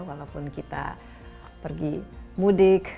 walaupun kita pergi mudik